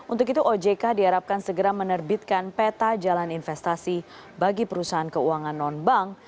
untuk itu ojk diharapkan segera menerbitkan peta jalan investasi bagi perusahaan keuangan non bank